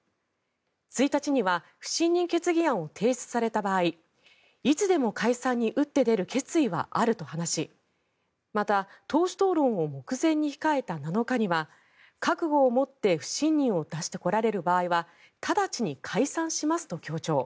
１日には不信任決議案を提出された場合いつでも解散に打って出る決意はあると話しまた、党首討論を目前に控えた７日には覚悟を持って不信任を出してこられる場合はただちに解散しますと強調。